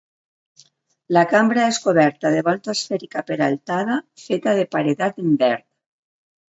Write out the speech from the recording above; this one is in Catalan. La cambra és coberta de volta esfèrica peraltada feta de paredat en verd.